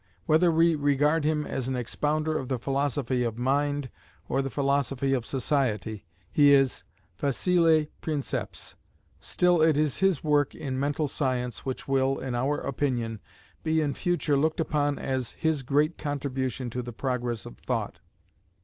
Whether we regard him as an expounder of the philosophy of mind or the philosophy of society, he is facile princeps. Still it is his work in mental science which will, in our opinion, be in future looked upon as his great contribution to the progress of thought.